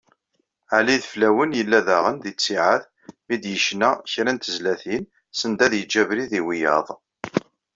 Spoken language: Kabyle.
Ɛli Ideflawen, yella daɣen di ttiɛad mi d-yecna kra n tezlatin, send ad yeǧǧ abrid i wiyaḍ.